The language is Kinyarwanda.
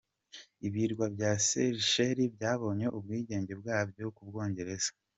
Ibirwa bya Seychelles byabonye ubwigenge bwabyo ku Bwongereza.